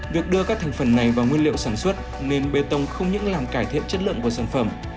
việc đưa các thành phần này vào nguyên liệu sản xuất nên bê tông không những làm cải thiện chất lượng của sản phẩm